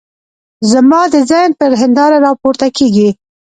زما د ذهن پر هنداره را پورته کېږي.